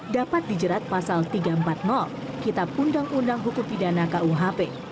dapat dijerat pasal tiga ratus empat puluh kitab undang undang hukum pidana kuhp